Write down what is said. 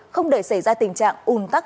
không để xảy ra tình trạng ùn tắc